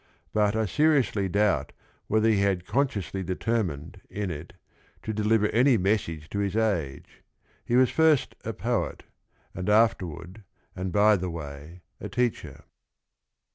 But I seriously doubt whether he had consciously determined, in it, to deliver any message to his age. He was first a poet, and afterward, and, by the way, a teacher.